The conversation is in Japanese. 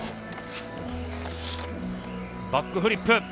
バックフリップ。